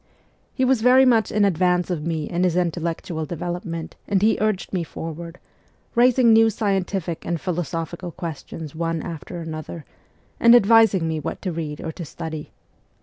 He was very much in advance of me in his intellectual development and he urged me forward, raising new scientific and philosophical questions one after another, and advising me what to read or to study.